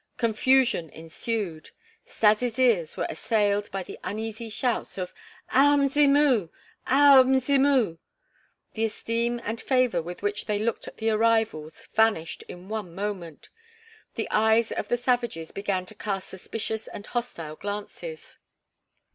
Confusion ensued. Stas' ears were assailed by the uneasy shouts of: "Our Mzimu! Our Mzimu!" The esteem and favor, with which they looked at the arrivals, vanished in one moment. The eyes of the savages began to cast suspicious and hostile glances.